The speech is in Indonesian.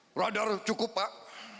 pak radar cukup pak